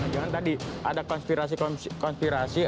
jangan tadi ada konspirasi konspirasi